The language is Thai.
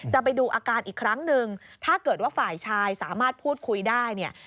ไปดูอาการอีกครั้งหนึ่งถ้าเกิดว่าฝ่ายชายสามารถพูดคุยได้เนี่ย